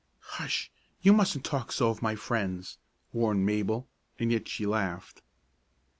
"Hush! You mustn't talk so of my friends," warned Mabel, and yet she laughed.